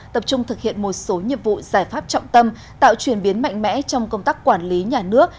tập trung thực hiện một số nhiệm vụ giải pháp trọng tâm tạo chuyển biến mạnh mẽ trong công tác quản lý nhà nước